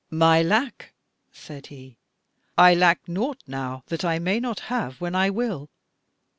"My lack?" said he; "I lack nought now, that I may not have when I will."